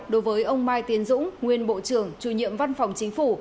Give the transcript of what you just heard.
đối với ông mai tiến dũng nguyên bộ trưởng chủ nhiệm văn phòng chính phủ